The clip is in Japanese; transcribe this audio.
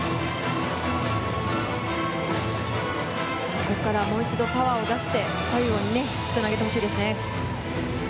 ここからもう一度パワーを出して最後につなげてほしいですね。